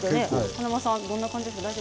華丸さん、どんな感じですか？